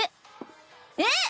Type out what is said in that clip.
えっ？